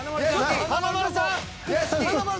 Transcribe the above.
華丸さん！